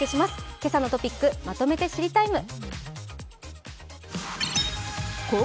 「けさのトピックまとめて知りＴＩＭＥ，」